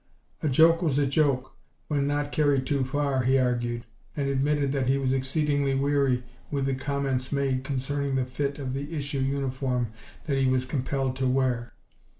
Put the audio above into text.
A joke was a joke, when not carried too far, he argued, and admitted that he was exceedingly weary with the comments made concerning the fit of the issue uniform that he was compelled to wear.